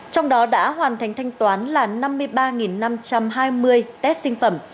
trong đó đã hoàn thành thanh toán là năm mươi ba năm trăm hai mươi test sinh phẩm